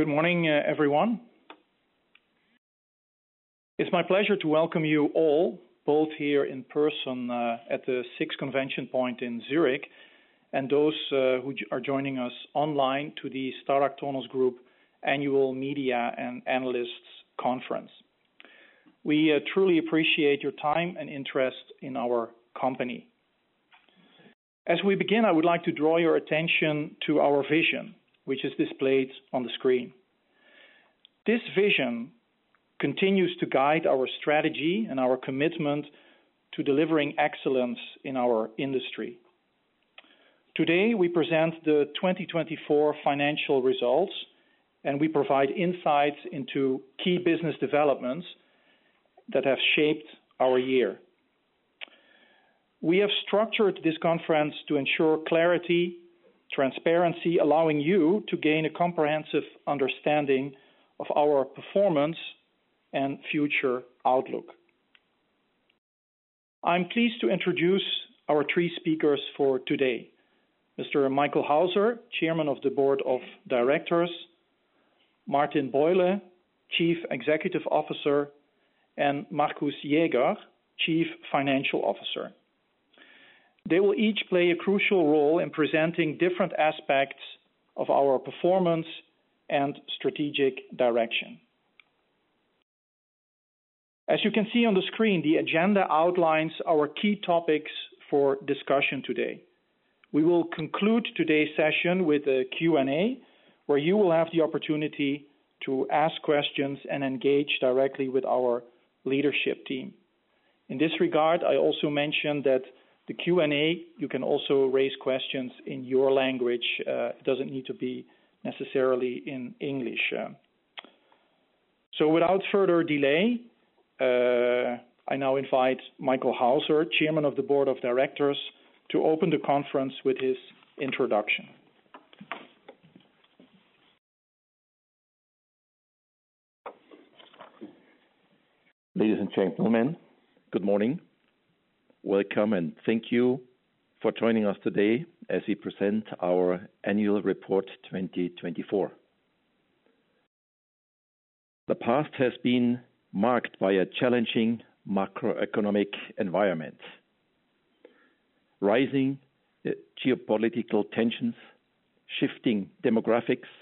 Good morning, everyone. It's my pleasure to welcome you all, both here in person at the SIX ConventionPoint in Zurich, and those who are joining us online to the StarragTornos Group Annual Media and Analysts Conference. We truly appreciate your time and interest in our company. As we begin, I would like to draw your attention to our vision, which is displayed on the screen. This vision continues to guide our strategy and our commitment to delivering excellence in our industry. Today, we present the 2024 financial results, and we provide insights into key business developments that have shaped our year. We have structured this conference to ensure clarity and transparency, allowing you to gain a comprehensive understanding of our performance and future outlook. I'm pleased to introduce our three speakers for today: Mr. Michael Hauser, Chairman of the Board of Directors, Martin Buyle, Chief Executive Officer, and Markus Jäger, Chief Financial Officer. They will each play a crucial role in presenting different aspects of our performance and strategic direction. As you can see on the screen, the agenda outlines our key topics for discussion today. We will conclude today's session with a Q&A, where you will have the opportunity to ask questions and engage directly with our leadership team. In this regard, I also mention that the Q&A, you can also raise questions in your language. It doesn't need to be necessarily in English. So, without further delay, I now invite Michael Hauser, Chairman of the Board of Directors, to open the conference with his introduction. Ladies and gentlemen, good morning. Welcome, and thank you for joining us today as we present our Annual Report 2024. The past has been marked by a challenging macroeconomic environment: rising geopolitical tensions, shifting demographics,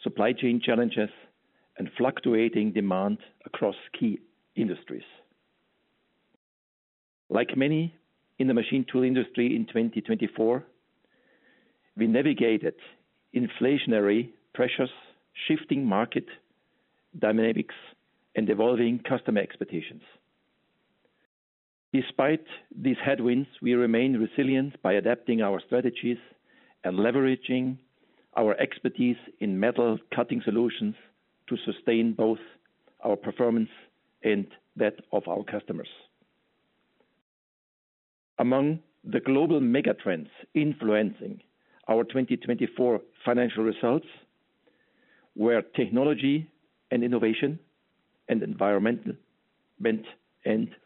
supply chain challenges, and fluctuating demand across key industries. Like many in the machine tool industry in 2024, we navigated inflationary pressures, shifting market dynamics, and evolving customer expectations. Despite these headwinds, we remain resilient by adapting our strategies and leveraging our expertise in metal cutting solutions to sustain both our performance and that of our customers. Among the global megatrends influencing our 2024 financial results were technology and innovation and environmental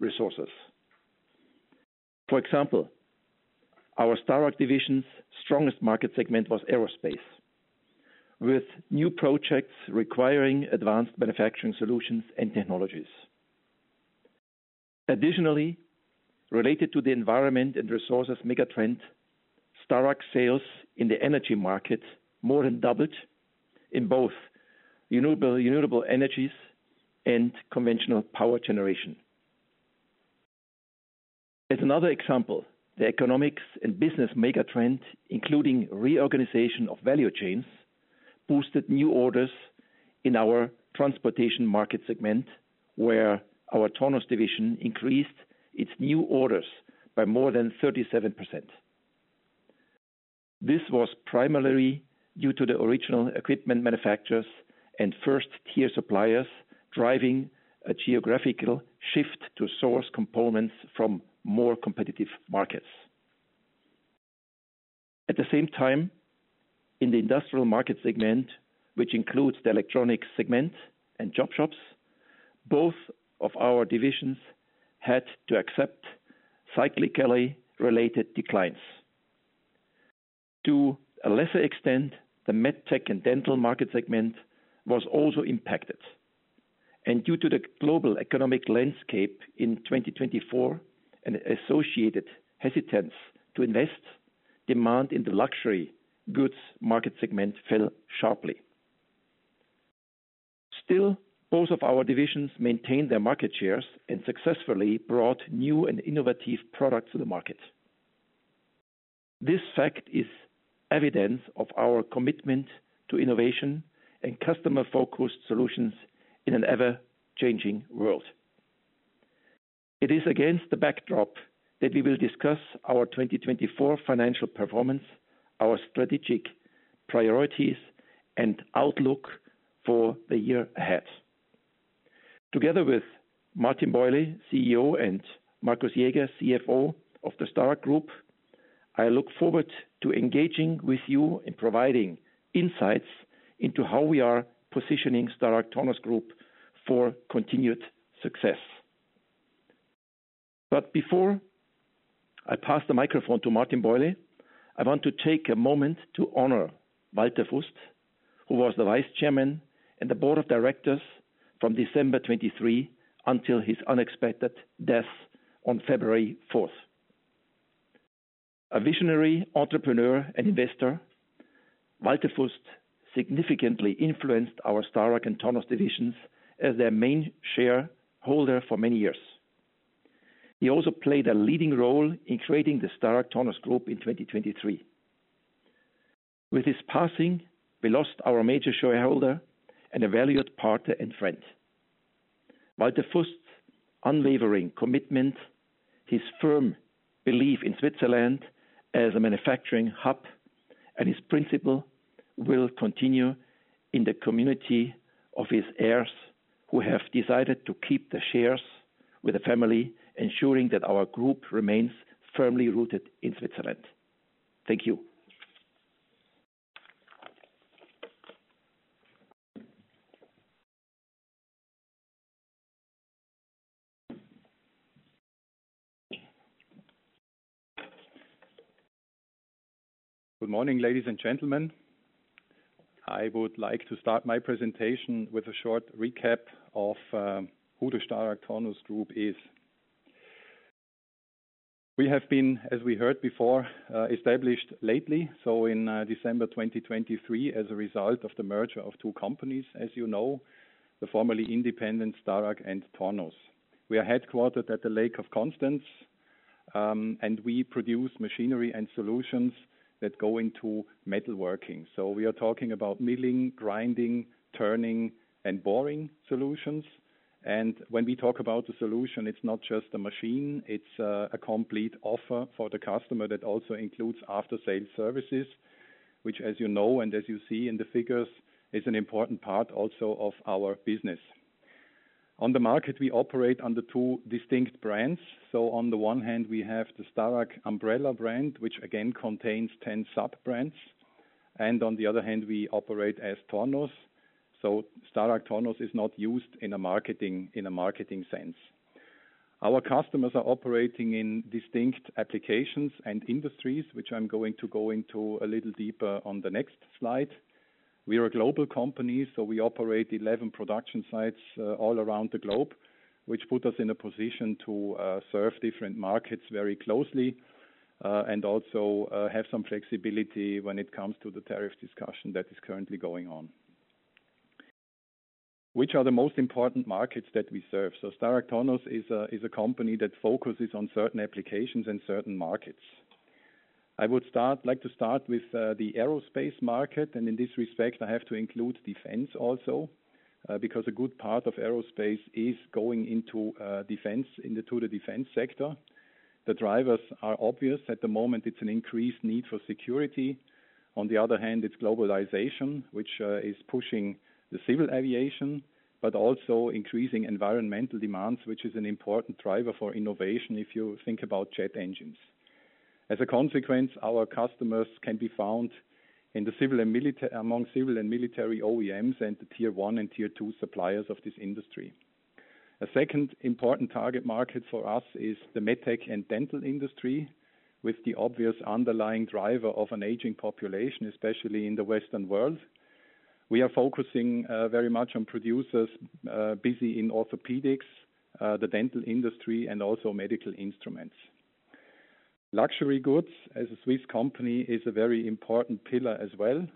resources. For example, our StarragTornos division's strongest market segment was aerospace, with new projects requiring advanced manufacturing solutions and technologies. Additionally, related to the environment and resources megatrend, StarragTornos' sales in the energy market more than doubled in both renewable energies and conventional power generation. As another example, the economics and business megatrend, including reorganization of value chains, boosted new orders in our transportation market segment, where our Tornos division increased its new orders by more than 37%. This was primarily due to the original equipment manufacturers and first-tier suppliers driving a geographical shift to source components from more competitive markets. At the same time, in the industrial market segment, which includes the electronics segment and job shops, both of our divisions had to accept cyclically related declines. To a lesser extent, the medtech and dental market segment was also impacted. Due to the global economic landscape in 2024 and associated hesitance to invest, demand in the luxury goods market segment fell sharply. Still, both of our divisions maintained their market shares and successfully brought new and innovative products to the market. This fact is evidence of our commitment to innovation and customer-focused solutions in an ever-changing world. It is against the backdrop that we will discuss our 2024 financial performance, our strategic priorities, and outlook for the year ahead. Together with Martin Buyle, CEO, and Markus Jäger, CFO of the StarragTornos Group, I look forward to engaging with you in providing insights into how we are positioning StarragTornos Group for continued success. But before I pass the microphone to Martin Buyle, I want to take a moment to honor Walter Fust, who was the Vice Chairman of the Board of Directors from December 2023 until his unexpected death on February 4, 2024. A visionary entrepreneur and investor, Walter Fust significantly influenced our StarragTornos divisions as their main shareholder for many years. He also played a leading role in creating the StarragTornos Group in 2023. With his passing, we lost our major shareholder and a valued partner and friend. Walter Fust's unwavering commitment, his firm belief in Switzerland as a manufacturing hub, and his principle will continue in the community of his heirs, who have decided to keep the shares with the family, ensuring that our group remains firmly rooted in Switzerland. Thank you. Good morning, ladies and gentlemen. I would like to start my presentation with a short recap of who the StarragTornos Group is. We have been, as we heard before, established lately, so in December 2023, as a result of the merger of two companies, as you know, the formerly independent Starrag and Tornos. We are headquartered at Lake Constance, and we produce machinery and solutions that go into metalworking. So we are talking about milling, grinding, turning, and boring solutions. When we talk about the solution, it's not just a machine. It's a complete offer for the customer that also includes after-sales services, which, as you know, and as you see in the figures, is an important part also of our business. On the market, we operate under two distinct brands. On the one hand, we have the StarragTornos umbrella brand, which again contains 10 sub-brands. On the other hand, we operate as Tornos. StarragTornos is not used in a marketing sense. Our customers are operating in distinct applications and industries, which I'm going to go into a little deeper on the next slide. We are a global company, so we operate 11 production sites all around the globe, which puts us in a position to serve different markets very closely and also have some flexibility when it comes to the tariff discussion that is currently going on. Which are the most important markets that we serve? StarragTornos is a company that focuses on certain applications and certain markets. I would like to start with the aerospace market, and in this respect, I have to include defense also, because a good part of aerospace is going into defense, into the defense sector. The drivers are obvious at the moment: it's an increased need for security. On the other hand, it's globalization, which is pushing the civil aviation, but also increasing environmental demands, which is an important driver for innovation if you think about jet engines. As a consequence, our customers can be found among civil and military OEMs and the tier one and tier two suppliers of this industry. A second important target market for us is the medtech and dental industry, with the obvious underlying driver of an aging population, especially in the Western world. We are focusing very much on producers busy in orthopedics, the dental industry, and also medical instruments. Luxury goods, as a Swiss company, is a very important pillar as well.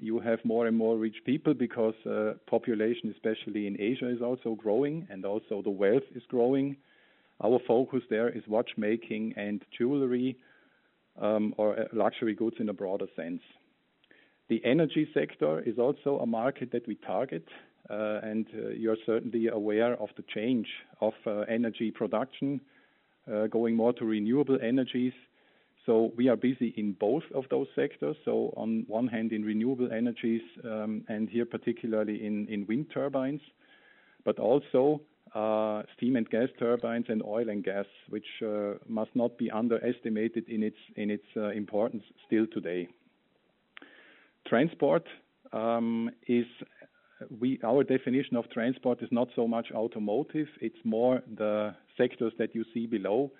You have more and more rich people because the population, especially in Asia, is also growing, and also the wealth is growing. Our focus there is watchmaking and jewelry, or luxury goods in a broader sense. The energy sector is also a market that we target, and you're certainly aware of the change of energy production going more to renewable energies. So we are busy in both of those sectors. So on one hand, in renewable energies, and here particularly in wind turbines, but also steam and gas turbines and oil and gas, which must not be underestimated in its importance still today. Transport, our definition of transport, is not so much automotive. It's more the sectors that you see below.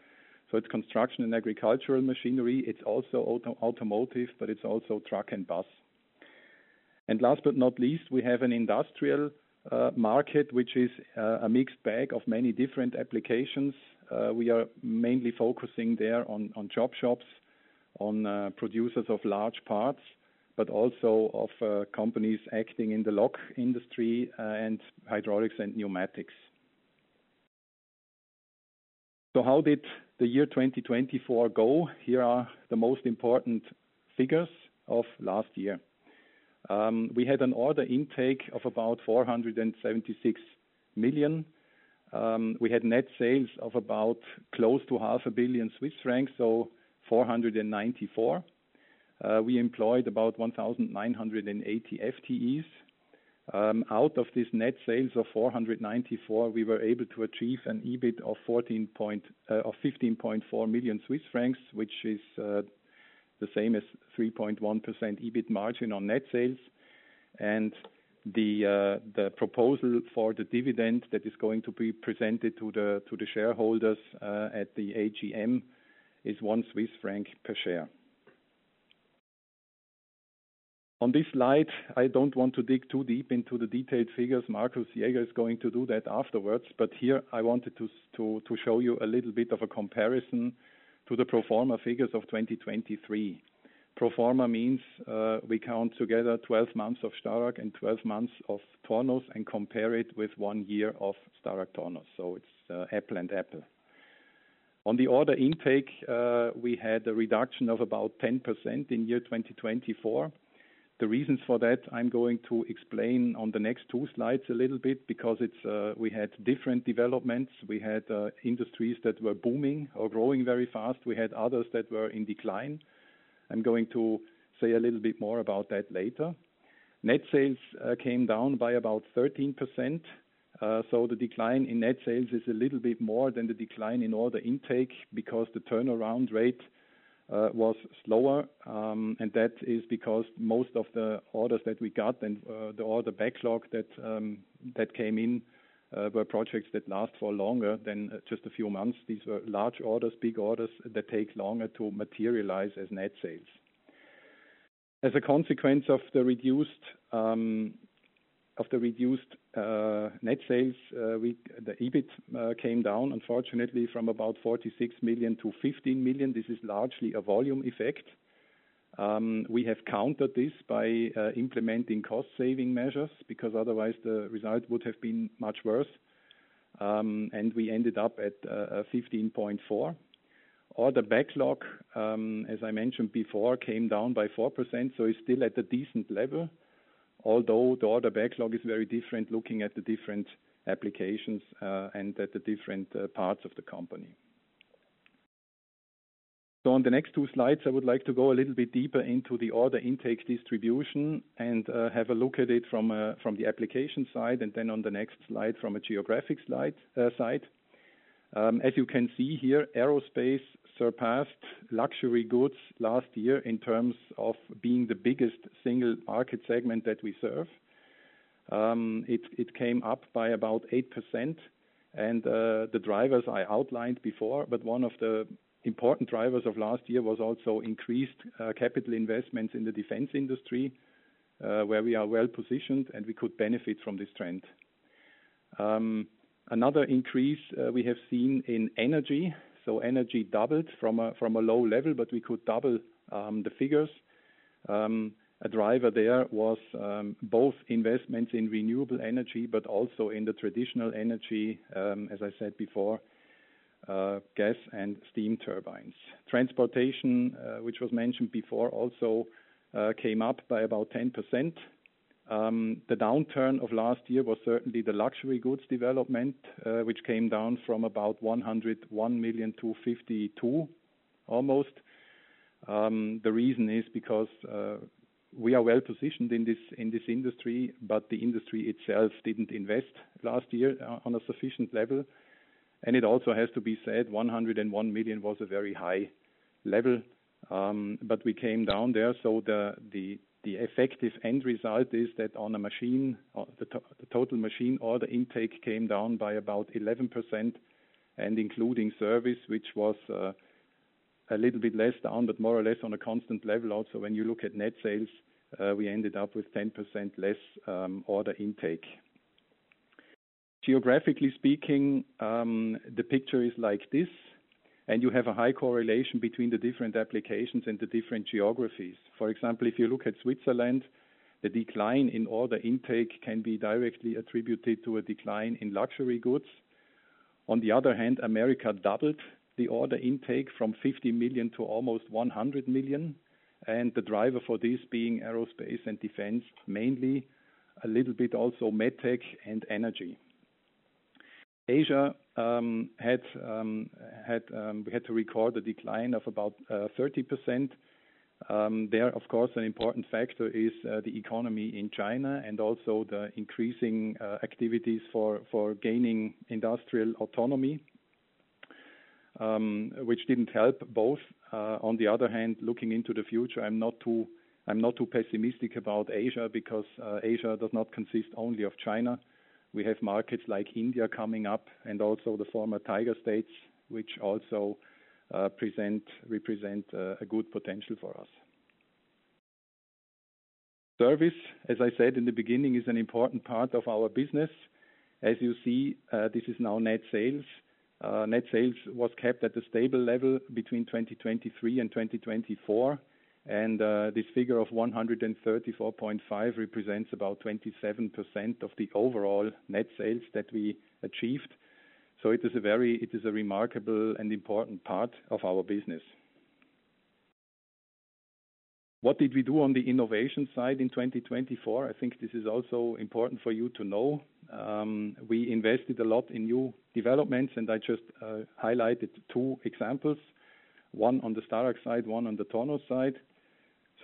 So it's construction and agricultural machinery. It's also automotive, but it's also truck and bus. And last but not least, we have an industrial market, which is a mixed bag of many different applications. We are mainly focusing there on job shops, on producers of large parts, but also of companies acting in the lock industry and hydraulics and pneumatics. So how did the year 2024 go? Here are the most important figures of last year. We had an order intake of about 476 million. We had net sales of about close to 500 million Swiss francs, so 494. We employed about 1,980 FTEs. Out of this net sales of 494, we were able to achieve an EBIT of 15.4 million Swiss francs, which is the same as a 3.1% EBIT margin on net sales. And the proposal for the dividend that is going to be presented to the shareholders at the AGM is 1 Swiss franc per share. On this slide, I don't want to dig too deep into the detailed figures. Markus Jäger is going to do that afterwards. But here, I wanted to show you a little bit of a comparison to the Pro forma figures of 2023. Pro forma means we count together 12 months of Starrag and 12 months of Tornos and compare it with one year of StarragTornos. So it's apple and apple. On the order intake, we had a reduction of about 10% in year 2024. The reasons for that I'm going to explain on the next two slides a little bit because we had different developments. We had industries that were booming or growing very fast. We had others that were in decline. I'm going to say a little bit more about that later. Net sales came down by about 13%. So the decline in net sales is a little bit more than the decline in order intake because the turnaround rate was slower. That is because most of the orders that we got and the order backlog that came in were projects that last for longer than just a few months. These were large orders, big orders that take longer to materialize as net sales. As a consequence of the reduced net sales, the EBIT came down, unfortunately, from about 46 million to 15 million. This is largely a volume effect. We have countered this by implementing cost-saving measures because otherwise the result would have been much worse. We ended up at 15.4 million. Order backlog, as I mentioned before, came down by 4%. So it's still at a decent level, although the order backlog is very different looking at the different applications and at the different parts of the company. So on the next two slides, I would like to go a little bit deeper into the order intake distribution and have a look at it from the application side and then on the next slide from a geographic side. As you can see here, aerospace surpassed luxury goods last year in terms of being the biggest single market segment that we serve. It came up by about 8%. And the drivers I outlined before, but one of the important drivers of last year was also increased capital investments in the defense industry, where we are well positioned and we could benefit from this trend. Another increase we have seen in energy. So energy doubled from a low level, but we could double the figures. A driver there was both investments in renewable energy, but also in the traditional energy, as I said before, gas and steam turbines. Transportation, which was mentioned before, also came up by about 10%. The downturn of last year was certainly the luxury goods development, which came down from about 101 million to almost CHF 52 million. The reason is because we are well positioned in this industry, but the industry itself didn't invest last year on a sufficient level. It also has to be said, 101 million was a very high level, but we came down there. The effective end result is that on a machine, the total machine order intake came down by about 11% and including service, which was a little bit less down, but more or less on a constant level. When you look at net sales, we ended up with 10% less order intake. Geographically speaking, the picture is like this, and you have a high correlation between the different applications and the different geographies. For example, if you look at Switzerland, the decline in order intake can be directly attributed to a decline in luxury goods. On the other hand, America doubled the order intake from 50 million to almost 100 million. And the driver for this being aerospace and defense mainly, a little bit also medtech and energy. Asia had to record a decline of about 30%. There, of course, an important factor is the economy in China and also the increasing activities for gaining industrial autonomy, which didn't help both. On the other hand, looking into the future, I'm not too pessimistic about Asia because Asia does not consist only of China. We have markets like India coming up and also the former Tiger States, which also represent a good potential for us. Service, as I said in the beginning, is an important part of our business. As you see, this is now net sales. Net sales was kept at a stable level between 2023 and 2024. This figure of 134.5 represents about 27% of the overall net sales that we achieved. It is a remarkable and important part of our business. What did we do on the innovation side in 2024? I think this is also important for you to know. We invested a lot in new developments, and I just highlighted two examples, one on the Starrag side, one on the Tornos side.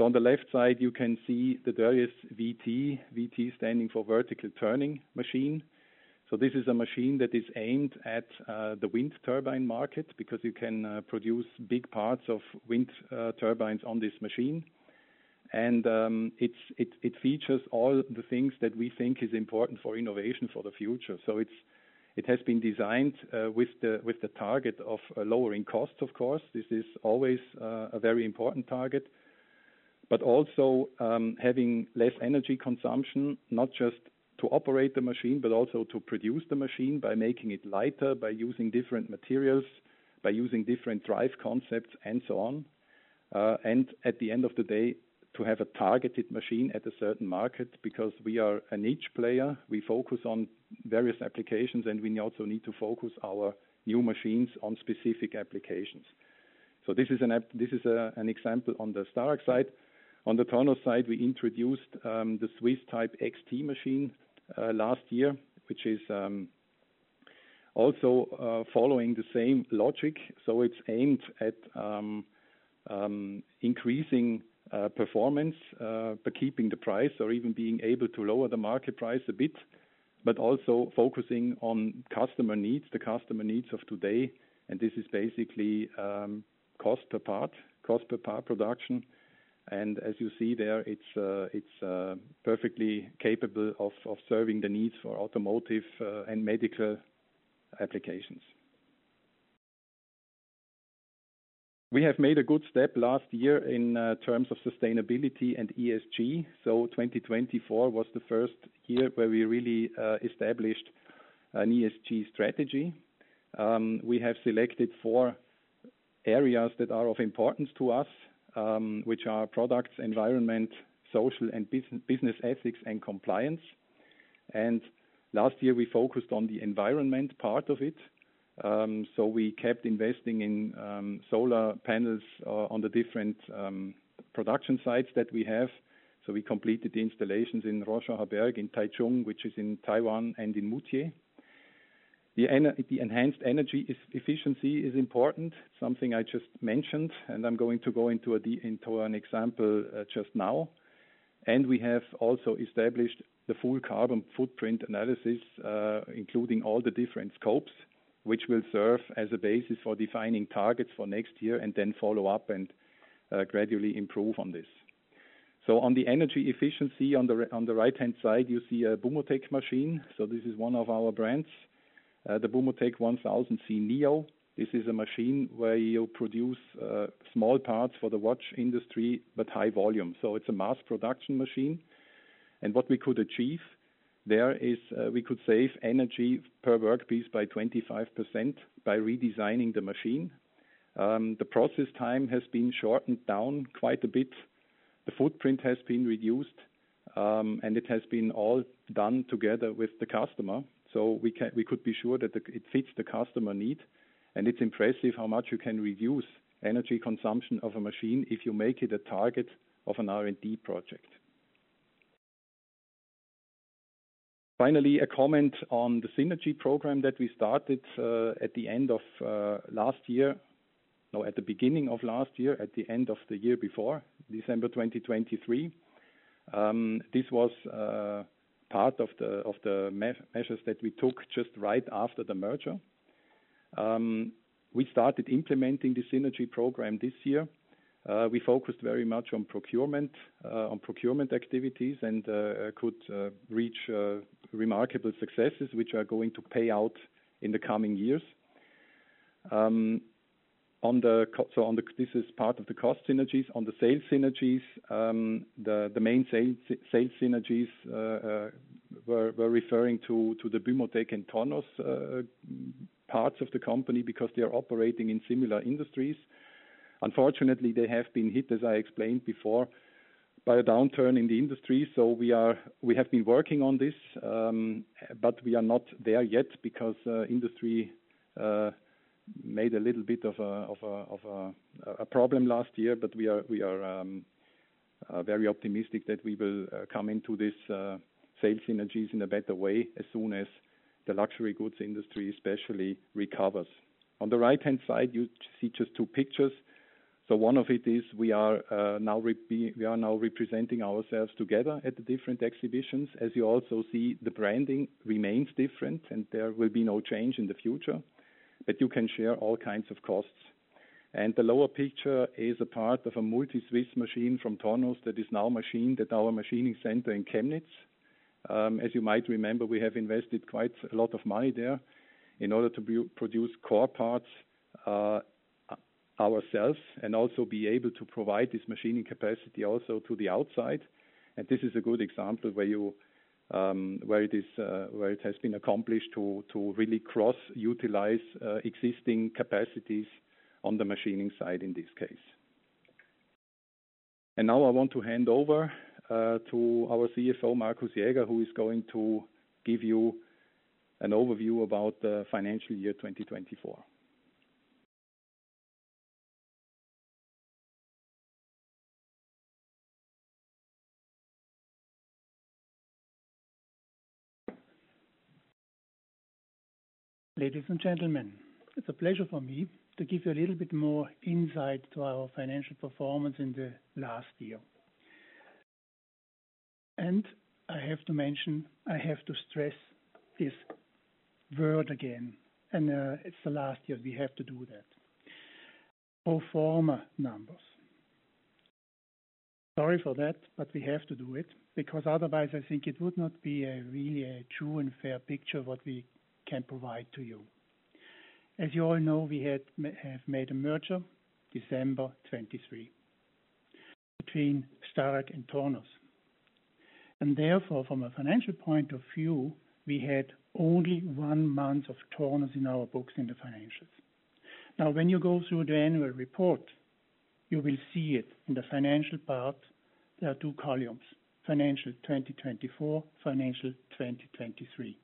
On the left side, you can see the Berthiez VT, VT standing for Vertical Turning machine. This is a machine that is aimed at the wind turbine market because you can produce big parts of wind turbines on this machine. It features all the things that we think are important for innovation for the future. It has been designed with the target of lowering costs, of course. This is always a very important target, but also having less energy consumption, not just to operate the machine, but also to produce the machine by making it lighter, by using different materials, by using different drive concepts, and so on. At the end of the day, to have a targeted machine at a certain market because we are a niche player. We focus on various applications, and we also need to focus our new machines on specific applications. This is an example on the Starrag side. On the Tornos side, we introduced the Swiss type XT machine last year, which is also following the same logic. So it's aimed at increasing performance but keeping the price or even being able to lower the market price a bit, but also focusing on customer needs, the customer needs of today. And this is basically cost per part, cost per part production. And as you see there, it's perfectly capable of serving the needs for automotive and medical applications. We have made a good step last year in terms of sustainability and ESG. So 2024 was the first year where we really established an ESG strategy. We have selected four areas that are of importance to us, which are products, environment, social and business ethics, and compliance. And last year, we focused on the environment part of it. So we kept investing in solar panels on the different production sites that we have. So we completed the installations in Rorschacherberg, in Taichung, which is in Taiwan, and in Moutier. The enhanced energy efficiency is important, something I just mentioned, and I'm going to go into an example just now. We have also established the full carbon footprint analysis, including all the different scopes, which will serve as a basis for defining targets for next year and then follow up and gradually improve on this. On the energy efficiency, on the right-hand side, you see a Bumotec machine. This is one of our brands, the Bumotec s191neo. This is a machine where you produce small parts for the watch industry, but high volume. It's a mass production machine. What we could achieve there is we could save energy per workpiece by 25% by redesigning the machine. The process time has been shortened down quite a bit. The footprint has been reduced, and it has been all done together with the customer. So we could be sure that it fits the customer need. It's impressive how much you can reduce energy consumption of a machine if you make it a target of an R&D project. Finally, a comment on the synergy program that we started at the end of last year, no, at the beginning of last year, at the end of the year before, December 2023. This was part of the measures that we took just right after the merger. We started implementing the synergy program this year. We focused very much on procurement activities and could reach remarkable successes, which are going to pay out in the coming years. So this is part of the cost synergies. On the sales synergies, the main sales synergies were referring to the Bumotec and Tornos parts of the company because they are operating in similar industries. Unfortunately, they have been hit, as I explained before, by a downturn in the industry. So we have been working on this, but we are not there yet because industry made a little bit of a problem last year. But we are very optimistic that we will come into these sales synergies in a better way as soon as the luxury goods industry especially recovers. On the right-hand side, you see just two pictures. So one of it is we are now representing ourselves together at the different exhibitions. As you also see, the branding remains different, and there will be no change in the future. But you can share all kinds of costs. And the lower picture is a part of a MultiSwiss machine from Tornos that is now machined at our machining center in Chemnitz. As you might remember, we have invested quite a lot of money there in order to produce core parts ourselves and also be able to provide this machining capacity also to the outside. And this is a good example where it has been accomplished to really cross-utilize existing capacities on the machining side in this case. And now I want to hand over to our CFO, Markus Jäger, who is going to give you an overview about the financial year 2024. Ladies and gentlemen, it's a pleasure for me to give you a little bit more insight to our financial performance in the last year. And I have to mention, I have to stress this word again, and it's the last year we have to do that. Pro forma numbers. Sorry for that, but we have to do it because otherwise I think it would not be a really true and fair picture of what we can provide to you. As you all know, we have made a merger December 2023 between Starrag and Tornos. Therefore, from a financial point of view, we had only one month of Tornos in our books in the financials. Now, when you go through the annual report, you will see it in the financial part, there are two columns, financial 2024, financial 2023.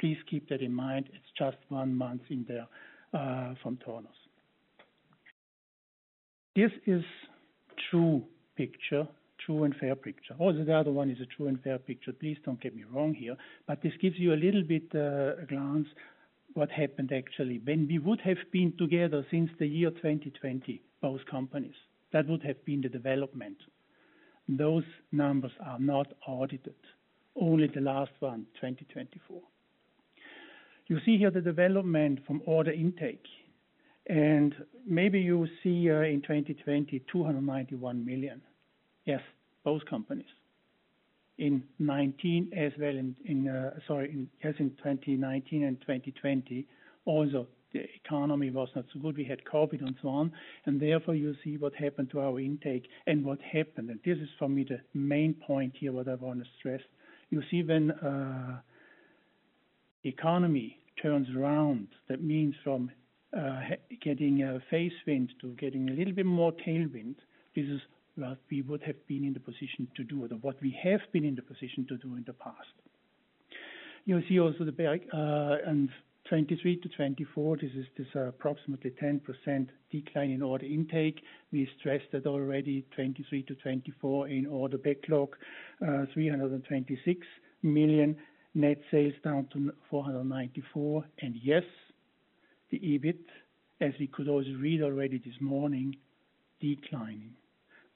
Please keep that in mind. It's just one month in there from Tornos. This is a true picture, true and fair picture. Also, the other one is a true and fair picture. Please don't get me wrong here. But this gives you a little bit of a glance of what happened actually when we would have been together since the year 2020, both companies. That would have been the development. Those numbers are not audited, only the last one, 2024. You see here the development from order intake. And maybe you see in 2020, 291 million. Yes, both companies. In 2019 as well, sorry, yes, in 2019 and 2020, also the economy was not so good. We had COVID and so on. And therefore, you see what happened to our intake and what happened. And this is for me the main point here what I want to stress. You see when the economy turns around, that means from getting a headwind to getting a little bit more tailwind, this is what we would have been in the position to do or what we have been in the position to do in the past. You see also the 2023 to 2024, this is approximately 10% decline in order intake. We stressed that already 2023 to 2024 in order backlog, 326 million, net sales down to 494 million. And yes, the EBIT, as we could also read already this morning, declining.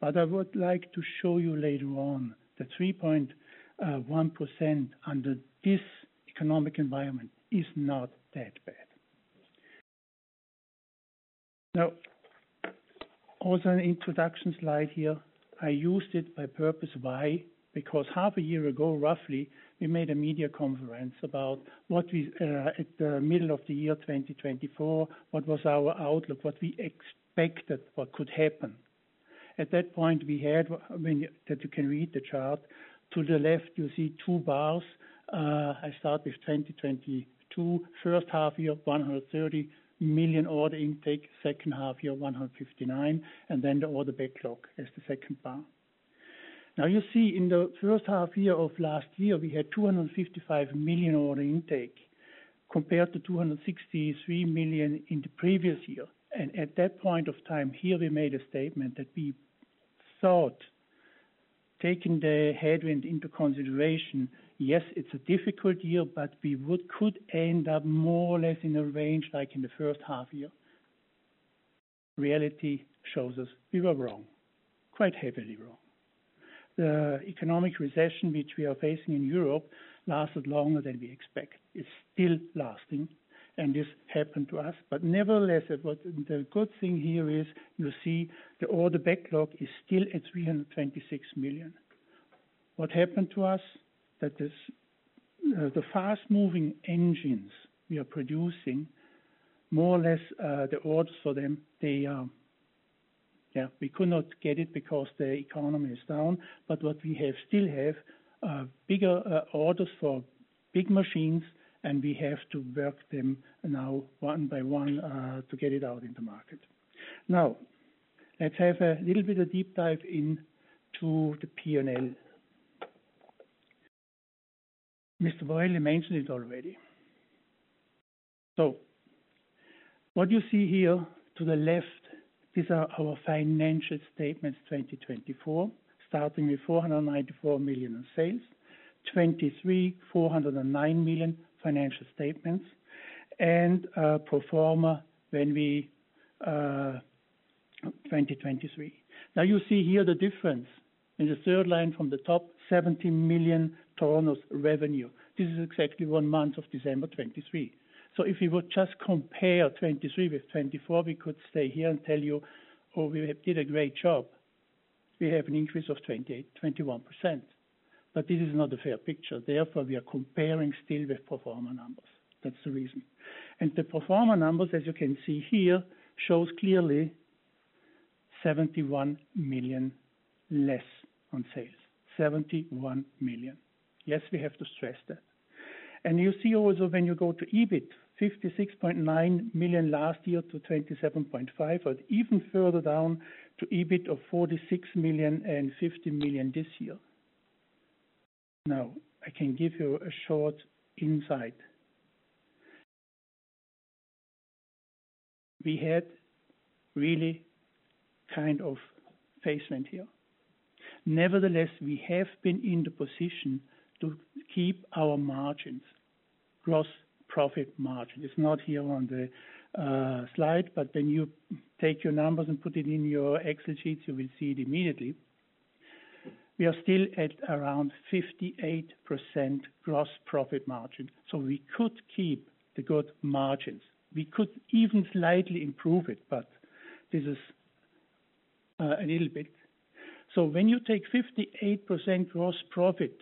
But I would like to show you later on that 3.1% under this economic environment is not that bad. Now, also an introduction slide here. I used it on purpose. Why? Because half a year ago, roughly, we made a media conference about what we at the middle of the year 2024, what was our outlook, what we expected, what could happen. At that point, we had, that you can read the chart. To the left, you see two bars. I start with 2022, first half year, 130 million order intake, second half year, 159 million, and then the order backlog as the second bar. Now, you see in the first half year of last year, we had 255 million order intake compared to 263 million in the previous year. And at that point of time here, we made a statement that we thought, taking the headwind into consideration, yes, it's a difficult year, but we could end up more or less in a range like in the first half year. Reality shows us we were wrong, quite heavily wrong. The economic recession which we are facing in Europe lasted longer than we expect. It's still lasting, and this happened to us. But nevertheless, the good thing here is you see the order backlog is still at 326 million. What happened to us? That the fast-moving engines we are producing, more or less the orders for them, they are, yeah, we could not get it because the economy is down, but what we have still have bigger orders for big machines. And we have to work them now one by one to get it out in the market. Now, let's have a little bit of deep dive into the P&L. Mr. Buyle mentioned it already. So what you see here to the left, these are our financial statements 2024, starting with 494 million in sales, 2023, 409 million financial statements, and pro forma when we 2023. Now, you see here the difference in the third line from the top, 70 million Tornos revenue. This is exactly one month of December 2023. So if we would just compare 2023 with 2024, we could stay here and tell you, oh, we did a great job. We have an increase of 21%. But this is not a fair picture. Therefore, we are comparing still with pro forma numbers. That's the reason. And the pro forma numbers, as you can see here, shows clearly 71 million less on sales, 71 million. Yes, we have to stress that. And you see also when you go to EBIT, 56.9 million last year to 27.5 million, but even further down to EBIT of 46 million and 50 million this year. Now, I can give you a short insight. We had really kind of headwind here. Nevertheless, we have been in the position to keep our margins, gross profit margin. It's not here on the slide, but when you take your numbers and put it in your Excel sheets, you will see it immediately. We are still at around 58% gross profit margin. So we could keep the good margins. We could even slightly improve it, but this is a little bit. So when you take 58% gross profit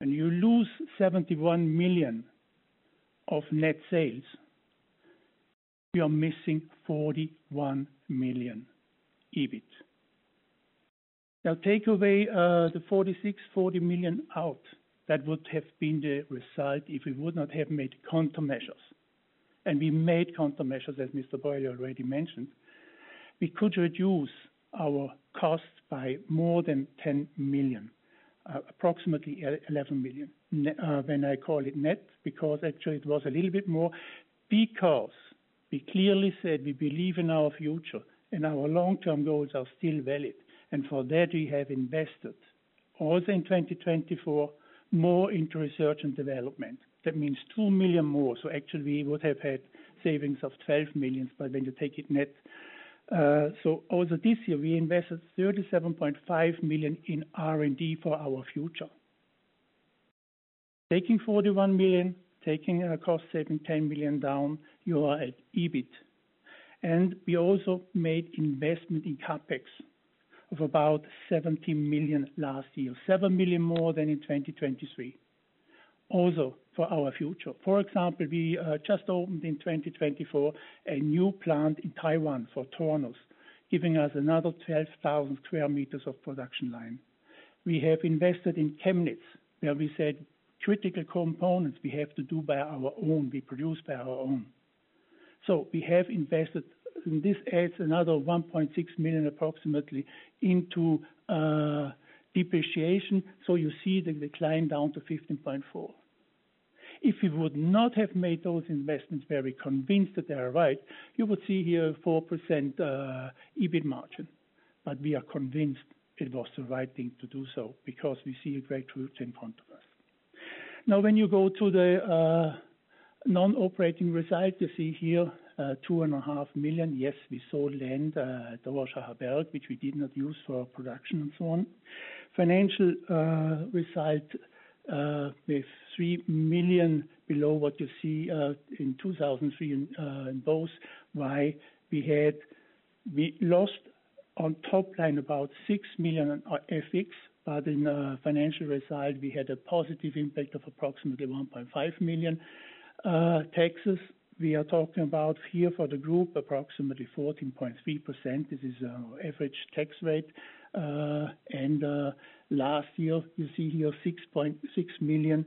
and you lose 71 million of net sales, you are missing 41 million EBIT. Now, take away the 46.4 million out. That would have been the result if we would not have made countermeasures. And we made countermeasures, as Mr. Buyle already mentioned. We could reduce our cost by more than 10 million, approximately 11 million. When I call it net, because actually it was a little bit more, because we clearly said we believe in our future and our long-term goals are still valid. For that, we have invested also in 2024, more into research and development. That means 2 million more. So actually, we would have had savings of 12 million, but when you take it net. So also this year, we invested 37.5 million in R&D for our future. Taking 41 million, taking a cost saving 10 million down, you are at EBIT. And we also made investment in CapEx of about 70 million last year, 7 million more than in 2023. Also for our future. For example, we just opened in 2024 a new plant in Taiwan for Tornos, giving us another 12,000 sq m of production line. We have invested in Chemnitz, where we said critical components we have to do by our own. We produce by our own. So we have invested, and this adds another 1.6 million approximately into depreciation. So you see the decline down to 15.4. If we would not have made those investments, we are convinced that they are right. You would see here 4% EBIT margin. But we are convinced it was the right thing to do so because we see a great route in front of us. Now, when you go to the non-operating result, you see here 2.5 million. Yes, we sold land at Rorschacherberg, which we did not use for production and so on. Financial result with 3 million below what you see in 2003 in both. Why? We lost on top line about 6 million FX, but in financial result, we had a positive impact of approximately 1.5 million taxes. We are talking about here for the group, approximately 14.3%. This is our average tax rate. And last year, you see here 6.6 million.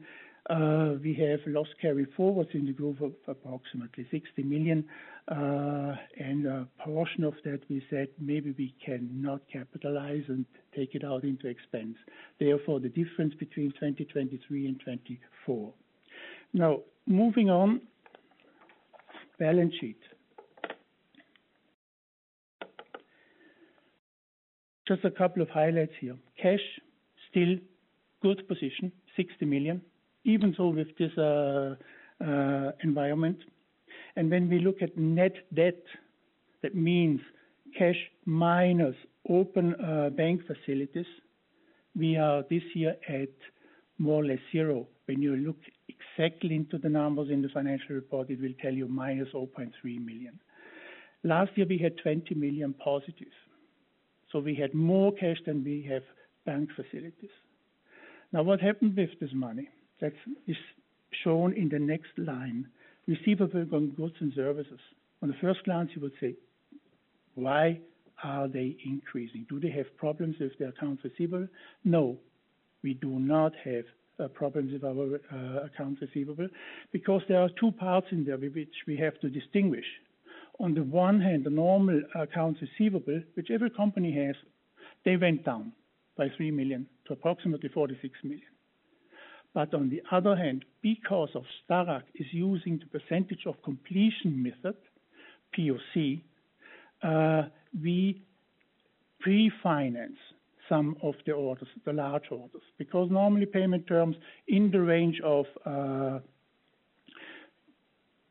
We have lost carry forwards in the group of approximately 60 million. And a portion of that, we said maybe we cannot capitalize and take it out into expense. Therefore, the difference between 2023 and 2024. Now, moving on, balance sheet. Just a couple of highlights here. Cash still good position, 60 million, even though with this environment. And when we look at net debt, that means cash minus open bank facilities, we are this year at more or less zero. When you look exactly into the numbers in the financial report, it will tell you minus 0.3 million. Last year, we had 20 million positive. So we had more cash than we have bank facilities. Now, what happened with this money? That is shown in the next line. Receivable goods and services. On the first glance, you would say, why are they increasing? Do they have problems with their accounts receivable? No, we do not have problems with our accounts receivable because there are two parts in there which we have to distinguish. On the one hand, the normal accounts receivable, which every company has, they went down by 3 million to approximately 46 million. But on the other hand, because of Starrag is using the Percentage of Completion method, POC, we pre-finance some of the orders, the large orders, because normally payment terms in the range of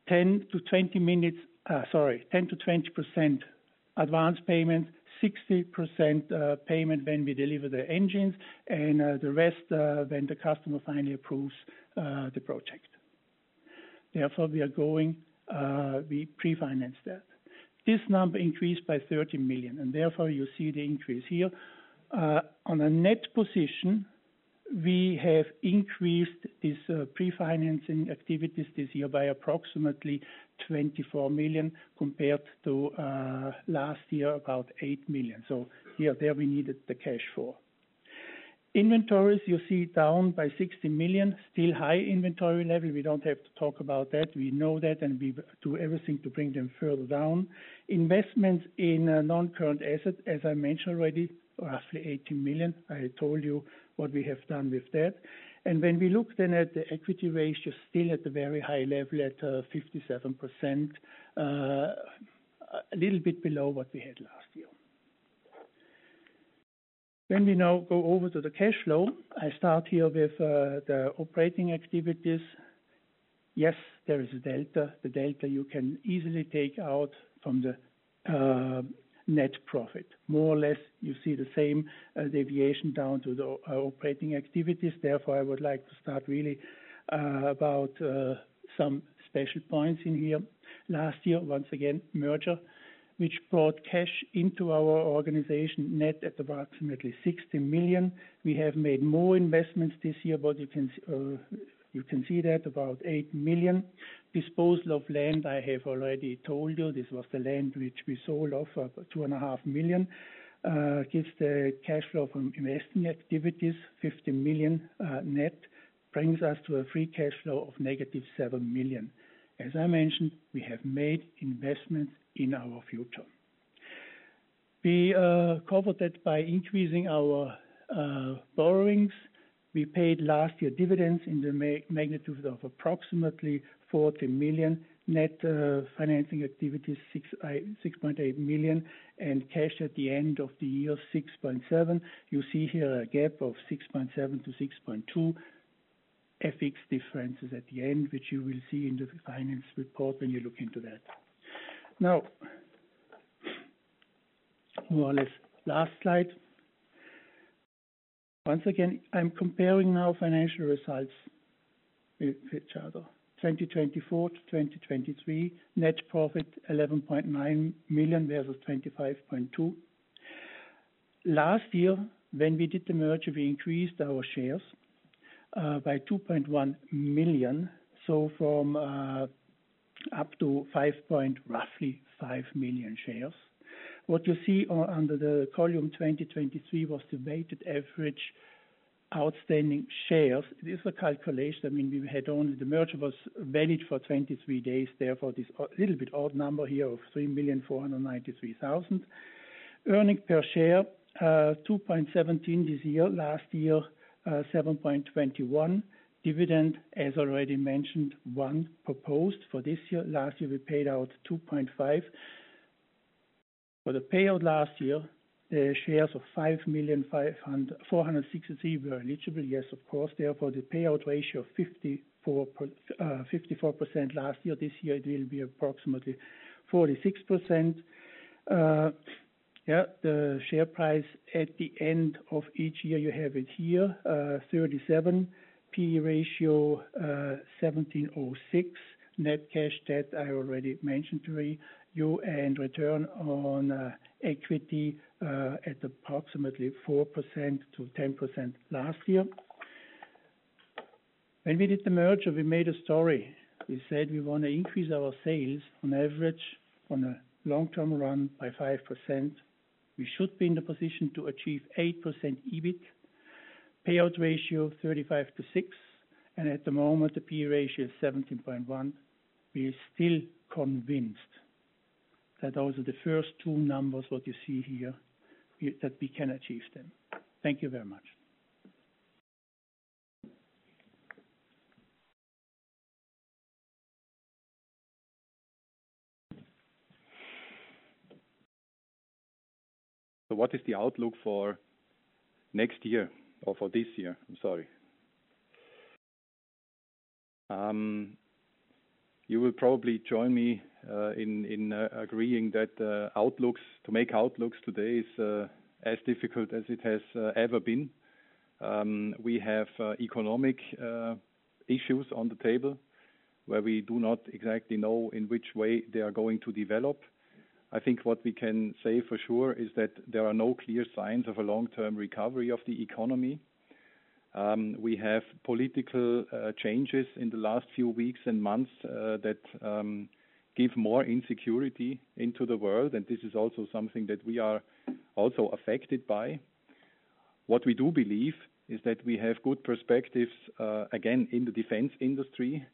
10 to 20 minutes, sorry, 10%-20% advance payment, 60% payment when we deliver the engines, and the rest when the customer finally approves the project. Therefore, we are going, we pre-finance that. This number increased by 30 million, and therefore you see the increase here. On a net position, we have increased these pre-financing activities this year by approximately 24 million compared to last year, about 8 million. So here, there we needed the cash for. Inventories, you see down by 60 million, still high inventory level. We don't have to talk about that. We know that and we do everything to bring them further down. Investments in non-current assets, as I mentioned already, roughly 80 million. I told you what we have done with that. When we look then at the equity ratio, still at a very high level at 57%, a little bit below what we had last year. When we now go over to the cash flow, I start here with the operating activities. Yes, there is a delta. The delta you can easily take out from the net profit. More or less, you see the same deviation down to the operating activities. Therefore, I would like to start really about some special points in here. Last year, once again, merger, which brought cash into our organization net at approximately 60 million. We have made more investments this year, but you can see that about 8 million. Disposal of land, I have already told you. This was the land which we sold off for 2.5 million. Gives the cash flow from investing activities, 50 million net, brings us to a free cash flow of negative 7 million. As I mentioned, we have made investments in our future. We covered that by increasing our borrowings. We paid last year dividends in the magnitude of approximately 40 million. Net financing activities, 6.8 million, and cash at the end of the year, 6.7 million. You see here a gap of 6.7 million to 6.2 million FX differences at the end, which you will see in the finance report when you look into that. Now, more or less, last slide. Once again, I'm comparing now financial results with each other. 2024 to 2023, net profit 11.9 million versus 25.2 million. Last year, when we did the merger, we increased our shares by 2.1 million. So from up to 5.0 million, roughly 5 million shares. What you see under the column 2023 was the weighted average outstanding shares. This is a calculation. I mean, we had only the merger was valid for 23 days. Therefore, this little bit odd number here of 3,493,000. Earnings per share, 2.17 this year. Last year, 7.21. Dividend, as already mentioned, 1 proposed for this year. Last year, we paid out 2.5. For the payout last year, the shares of 5,463 were eligible. Yes, of course. Therefore, the payout ratio of 54% last year, this year, it will be approximately 46%. Yeah, the share price at the end of each year, you have it here, 37. PE ratio, 1,706. Net cash debt, I already mentioned to you, and return on equity at approximately 4%-10% last year. When we did the merger, we made a story. We said we want to increase our sales on average on a long-term run by 5%. We should be in the position to achieve 8% EBIT. Payout ratio, 35%-60%. And at the moment, the PE ratio is 17.1. We are still convinced that also the first two numbers, what you see here, that we can achieve them. Thank you very much. So what is the outlook for next year or for this year? I'm sorry. You will probably join me in agreeing that to make outlooks today is as difficult as it has ever been. We have economic issues on the table where we do not exactly know in which way they are going to develop. I think what we can say for sure is that there are no clear signs of a long-term recovery of the economy. We have political changes in the last few weeks and months that give more insecurity into the world. This is also something that we are also affected by. What we do believe is that we have good perspectives, again, in the defense industry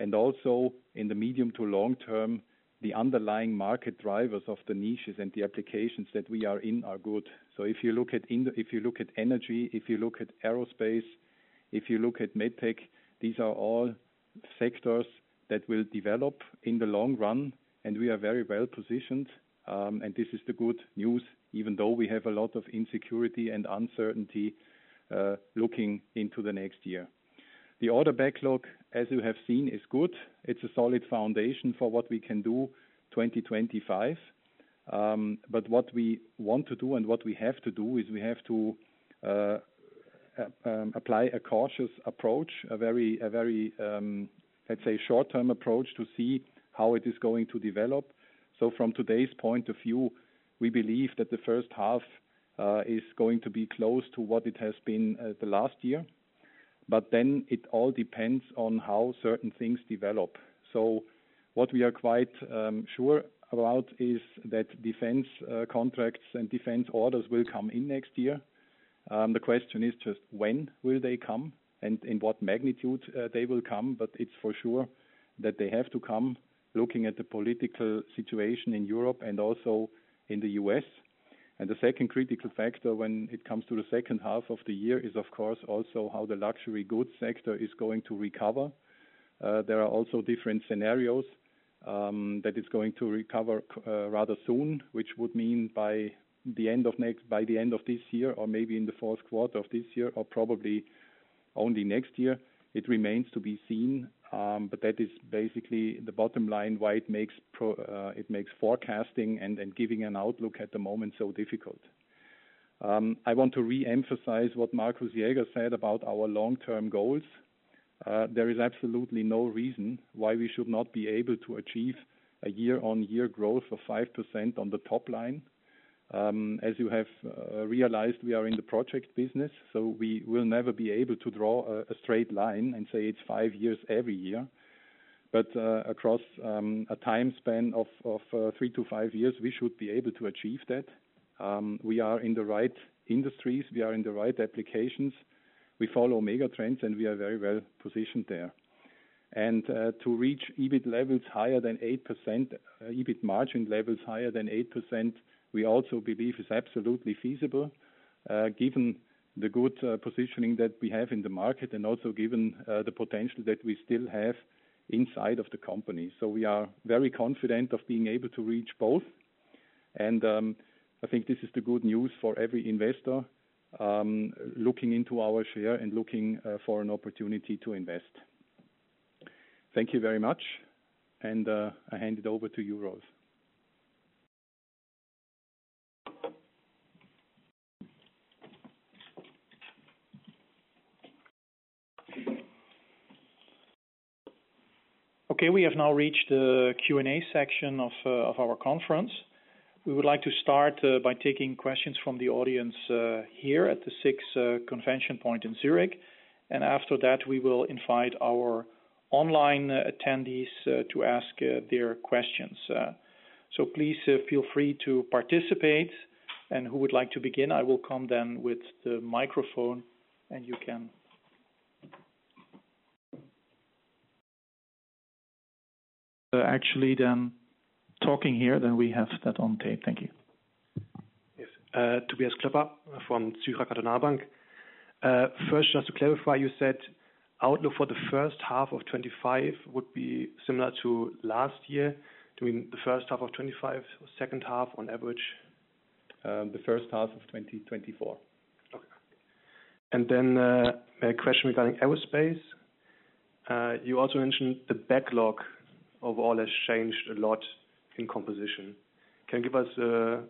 and also in the medium to long term, the underlying market drivers of the niches and the applications that we are in are good. If you look at energy, if you look at aerospace, if you look at medtech, these are all sectors that will develop in the long run. We are very well positioned. This is the good news, even though we have a lot of insecurity and uncertainty looking into the next year. The order backlog, as you have seen, is good. It's a solid foundation for what we can do 2025. But what we want to do and what we have to do is we have to apply a cautious approach, a very, let's say, short-term approach to see how it is going to develop. So from today's point of view, we believe that the first half is going to be close to what it has been the last year. But then it all depends on how certain things develop. So what we are quite sure about is that defense contracts and defense orders will come in next year. The question is just when will they come and in what magnitude they will come. But it's for sure that they have to come looking at the political situation in Europe and also in the US. The second critical factor when it comes to the second half of the year is, of course, also how the luxury goods sector is going to recover. There are also different scenarios that it's going to recover rather soon, which would mean by the end of this year or maybe in the fourth quarter of this year or probably only next year. It remains to be seen. But that is basically the bottom line why it makes forecasting and giving an outlook at the moment so difficult. I want to re-emphasize what Markus Jäger said about our long-term goals. There is absolutely no reason why we should not be able to achieve a year-on-year growth of 5% on the top line. As you have realized, we are in the project business. So we will never be able to draw a straight line and say it's five years every year. But across a time span of 3-5 years, we should be able to achieve that. We are in the right industries. We are in the right applications. We follow megatrends and we are very well positioned there. And to reach EBIT levels higher than 8%, EBIT margin levels higher than 8%, we also believe is absolutely feasible given the good positioning that we have in the market and also given the potential that we still have inside of the company. So we are very confident of being able to reach both. And I think this is the good news for every investor looking into our share and looking for an opportunity to invest. Thank you very much. And I hand it over to you, Rose. Okay, we have now reached the Q&A section of our conference. We would like to start by taking questions from the audience here at the SIX ConventionPoint in Zurich. After that, we will invite our online attendees to ask their questions. So please feel free to participate. Who would like to begin? I will come then with the microphone and you can. Actually, then talking here, then we have that on tape. Thank you. Yes, Tobias Klepper from Zürcher Kantonalbank. First, just to clarify, you said outlook for the first half of 2025 would be similar to last year. Do you mean the first half of 2025 or second half on average? The first half of 2024. Okay. Then a question regarding aerospace. You also mentioned the backlog of all has changed a lot in composition. Can you give us a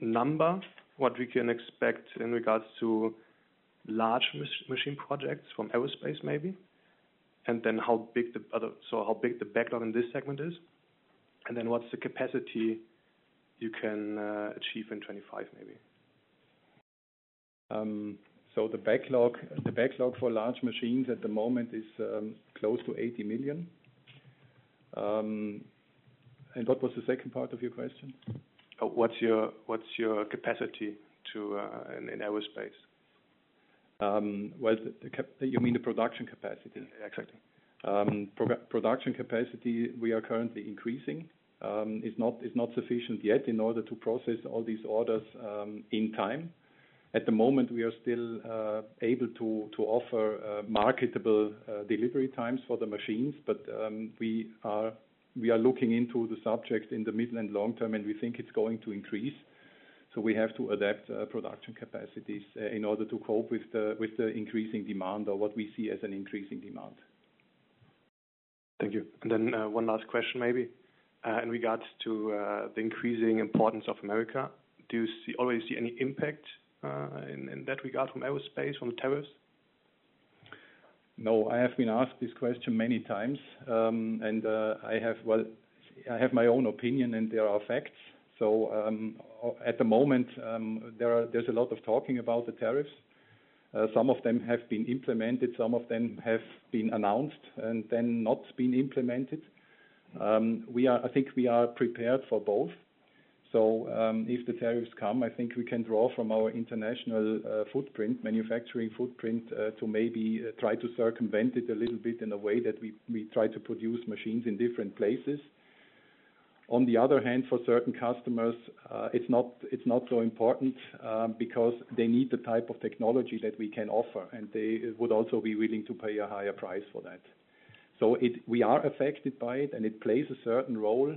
number, what we can expect in regards to large machine projects from aerospace maybe? And then how big the backlog in this segment is? And then what's the capacity you can achieve in 2025 maybe? So the backlog for large machines at the moment is close to 80 million. And what was the second part of your question? What's your capacity in aerospace? You mean the production capacity? Exactly. Production capacity, we are currently increasing. It's not sufficient yet in order to process all these orders in time. At the moment, we are still able to offer marketable delivery times for the machines, but we are looking into the subject in the mid and long term, and we think it's going to increase. So we have to adapt production capacities in order to cope with the increasing demand or what we see as an increasing demand. Thank you. And then one last question maybe in regards to the increasing importance of America. Do you already see any impact in that regard from aerospace, from the tariffs? No, I have been asked this question many times. I have my own opinion and there are facts. At the moment, there's a lot of talking about the tariffs. Some of them have been implemented, some of them have been announced, and then not been implemented. I think we are prepared for both. So if the tariffs come, I think we can draw from our international footprint, manufacturing footprint, to maybe try to circumvent it a little bit in a way that we try to produce machines in different places. On the other hand, for certain customers, it's not so important because they need the type of technology that we can offer, and they would also be willing to pay a higher price for that. So we are affected by it, and it plays a certain role,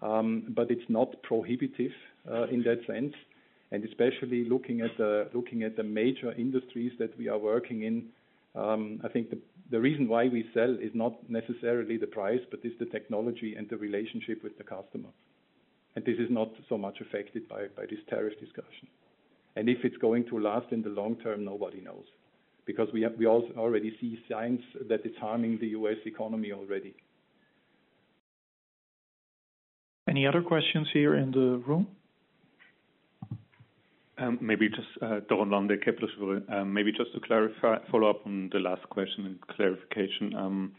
but it's not prohibitive in that sense. And especially looking at the major industries that we are working in, I think the reason why we sell is not necessarily the price, but it's the technology and the relationship with the customer. And this is not so much affected by this tariff discussion. And if it's going to last in the long term, nobody knows because we already see signs that it's harming the U.S. economy already. Any other questions here in the room? Maybe just to follow up on the last question and clarification.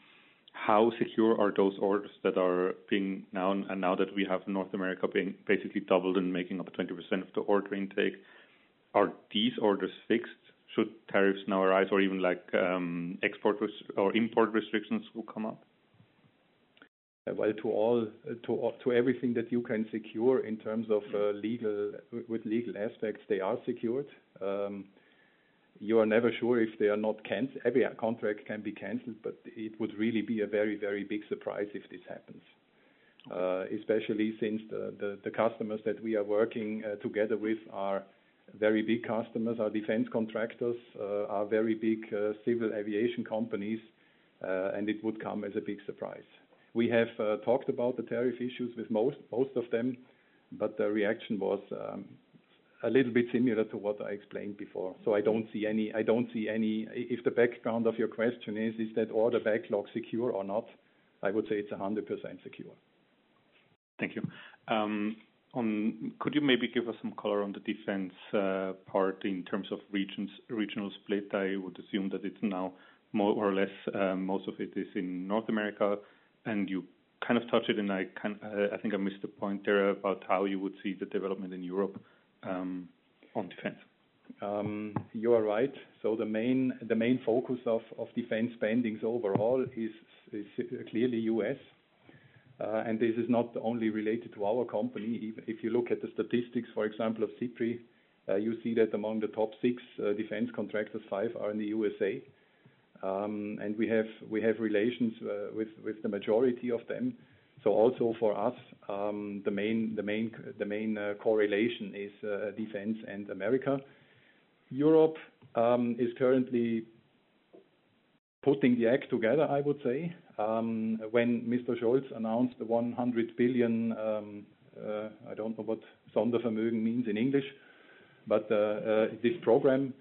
How secure are those orders that are being now, now that we have North America basically doubled and making up 20% of the order intake? Are these orders fixed? Should tariffs now arise or even export or import restrictions will come up? Well, to everything that you can secure in terms of legal aspects, they are secured. You are never sure if they are not canceled. Every contract can be canceled, but it would really be a very, very big surprise if this happens, especially since the customers that we are working together with are very big customers. Our defense contractors are very big civil aviation companies, and it would come as a big surprise. We have talked about the tariff issues with most of them, but the reaction was a little bit similar to what I explained before. So I don't see any if the background of your question is, is that order backlog secure or not, I would say it's 100% secure. Thank you. Could you maybe give us some color on the defense part in terms of regional split? I would assume that it's now more or less most of it is in North America. And you kind of touched it, and I think I missed the point there about how you would see the development in Europe on defense. You are right. So the main focus of defense spending overall is clearly U.S. And this is not only related to our company. If you look at the statistics, for example, of SIPRI, you see that among the top 6 defense contractors, 5 are in the U.S.A. And we have relations with the majority of them. So also for us, the main correlation is defense and America. Europe is currently putting the act together, I would say. When Mr. Scholz announced the 100 billion, I don't know what Sondervermögen means in English, but this program,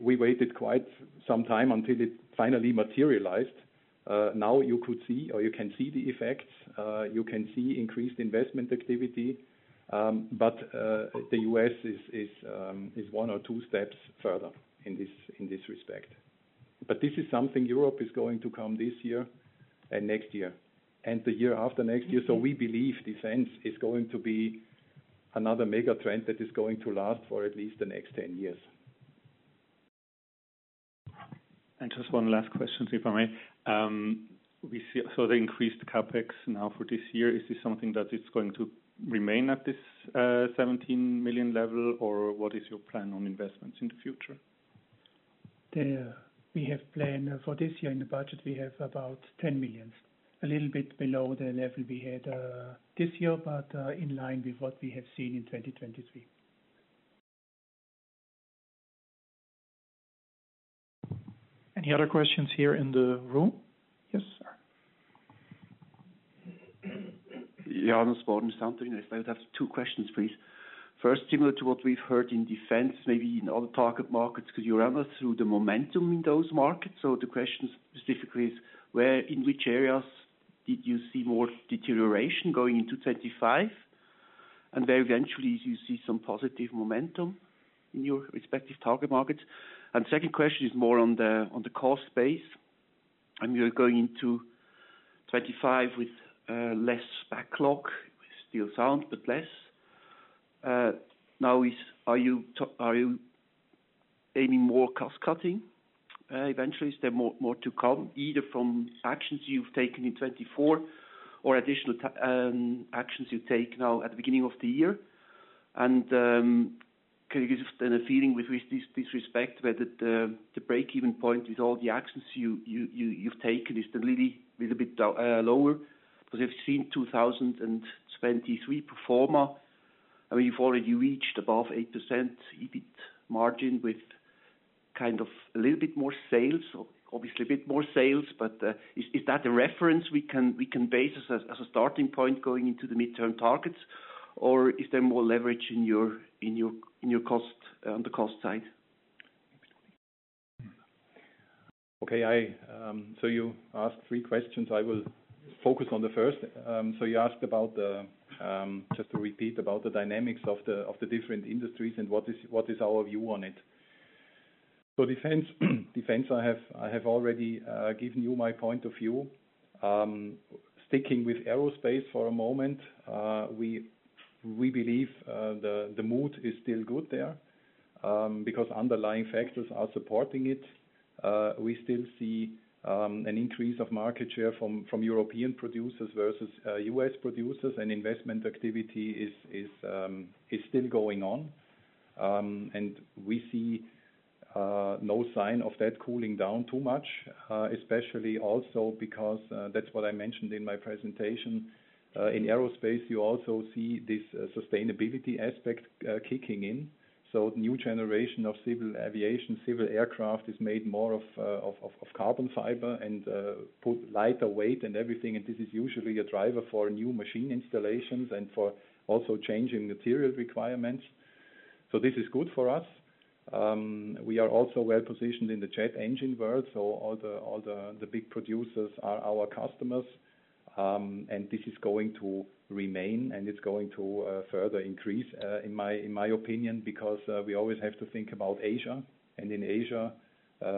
we waited quite some time until it finally materialized. Now you could see or you can see the effects. You can see increased investment activity. But the U.S. is one or two steps further in this respect. But this is something Europe is going to come this year and next year and the year after next year. So we believe defense is going to be another megatrend that is going to last for at least the next 10 years. And just one last question, if I may. We saw the increased CapEx now for this year. Is this something that it's going to remain at this 17 million level or what is your plan on investments in the future? We have planned for this year in the budget, we have about 10 million, a little bit below the level we had this year, but in line with what we have seen in 2023. Any other questions here in the room? Yes, sir. Johannes Baudendistel, if I would have two questions, please. First, similar to what we've heard in defense, maybe in other target markets, could you run us through the momentum in those markets? So the question specifically is, in which areas did you see more deterioration going into 2025? And there eventually you see some positive momentum in your respective target markets. And the second question is more on the cost base. And we are going into 2025 with less backlog, still sound, but less. Now, are you aiming more cost-cutting eventually? Is there more to come, either from actions you've taken in 2024 or additional actions you take now at the beginning of the year? And can you give us then a feeling with respect to whether the break-even point with all the actions you've taken is the little bit lower? Because we've seen 2023 performance. I mean, you've already reached above 8% EBIT margin with kind of a little bit more sales, obviously a bit more sales. But is that a reference we can base as a starting point going into the midterm targets? Or is there more leverage in your cost on the cost side? Okay. So you asked three questions. I will focus on the first. So you asked about, just to repeat, about the dynamics of the different industries and what is our view on it. So defense, I have already given you my point of view. Sticking with aerospace for a moment, we believe the mood is still good there because underlying factors are supporting it. We still see an increase of market share from European producers versus U.S. producers, and investment activity is still going on. And we see no sign of that cooling down too much, especially also because that's what I mentioned in my presentation. In aerospace, you also see this sustainability aspect kicking in. So the new generation of civil aviation, civil aircraft is made more of carbon fiber and put lighter weight and everything. And this is usually a driver for new machine installations and for also changing material requirements. So this is good for us. We are also well positioned in the jet engine world. So all the big producers are our customers. And this is going to remain, and it's going to further increase, in my opinion, because we always have to think about Asia. And in Asia,